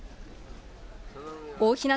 大日向